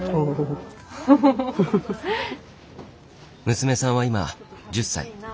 娘さんは今１０歳。